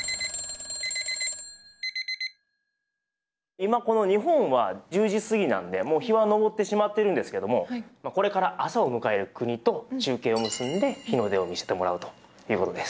今この日本は１０時過ぎなんでもう日は昇ってしまってるんですけどもこれから朝を迎える国と中継を結んで日の出を見せてもらうということです。